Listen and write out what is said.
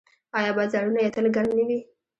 آیا بازارونه یې تل ګرم نه وي؟